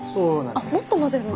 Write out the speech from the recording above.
あっもっと混ぜれば。